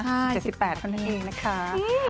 ครับผมก็คาดหวังครับ